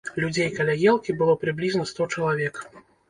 Людзей каля елкі было прыблізна сто чалавек.